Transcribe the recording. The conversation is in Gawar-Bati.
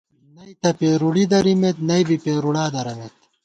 نئ تہ پېرُوڑی دَرِمېت ، نئ بی پېرُوڑا دَرَمېت